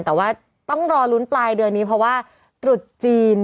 แต่ว่าต้องรอลุ้นปลายเดือนนี้เพราะว่าตรุษจีน